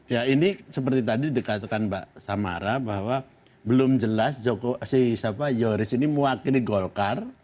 ya ini seperti tadi dikatakan mbak samara bahwa belum jelas si yoris ini mewakili golkar